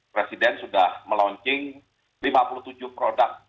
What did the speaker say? presiden sudah melaunching lima puluh tujuh produk